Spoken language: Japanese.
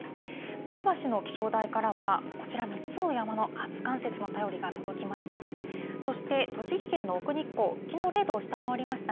前橋の気象台からは、こちら、３つの山の初冠雪の便りが届きました。